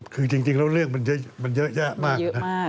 คือจริงแล้วเรื่องมันเยอะแยะมากนะ